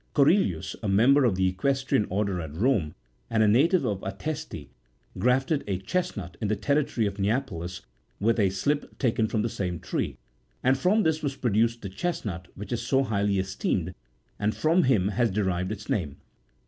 Corellius, a member of the Equestrian order at Home, and a native of Ateste, grafted a chesnut, in the territory of Neapolis, with a slip taken from the same tree, and from this was produced the chesnut which is so highly esteemed, and from him has derived its name.